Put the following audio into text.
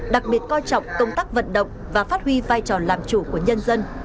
đặc biệt coi trọng công tác vận động và phát huy vai trò làm chủ của nhân dân